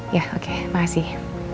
ya oke makasih